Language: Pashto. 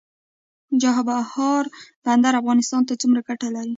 چابهار بندر افغانستان ته څومره ګټه لري؟